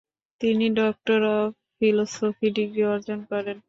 তিনি doctor of philosophy degree অর্জন করেন।